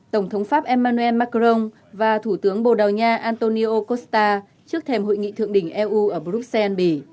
tổng thống pháp emmanuel macron và thủ tướng bồ đào nha antonio kosta trước thềm hội nghị thượng đỉnh eu ở bruxelles bỉ